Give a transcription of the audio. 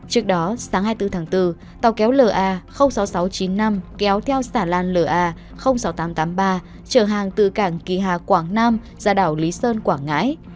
trước đó sáng hai mươi bốn tháng bốn tàu kéo la sáu nghìn sáu trăm chín mươi năm kéo theo sản lan la sáu nghìn tám trăm tám mươi ba trở hàng từ cảng kỳ hà quảng nam ra đảo lý sơn quảng ngãi